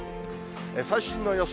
最新の予想